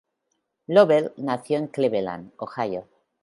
Lovell nació en Cleveland, Ohio.